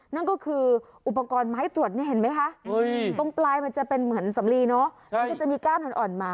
นั่นก็คืออุปกรณ์ไม้ตรวจนี่เห็นไหมคะ